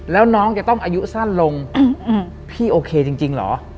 แล้วน้องจะต้องอายุสั้นลงพี่โอเคจริงเหรอ